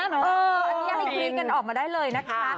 อันนี้ให้คิมิมิสออกมาได้เลยนะคะ